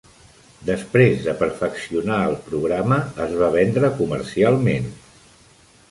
Després de perfeccionar el programa, es va vendre comercialment.